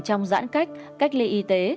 trong giãn cách cách ly y tế